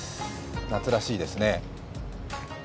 夏らしいですね。